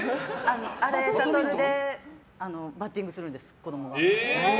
あれ、シャトルでバッティングするんです子供が。